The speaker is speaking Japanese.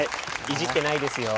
いじってないですよ。